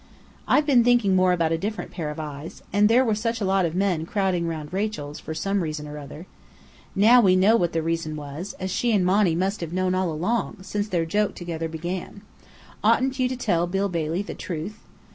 "I've been thinking more about a different pair of eyes. And there were such a lot of men crowding round Rachel's for some reason or other." "Now we know what the reason was as she and Monny must have known all along, since their joke together began. Oughtn't you to tell Bill Bailey the truth?"